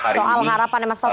soal harapannya mas toto